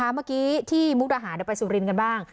เมื่อกี้ที่มุกระหารแต่ไปสุรินต์กันบ้าง